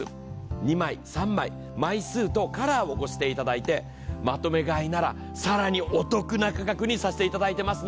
２枚、３枚、枚数とカラーをご指定いただいて、まとめ買いなら、更にお得な価格にさせていただいています。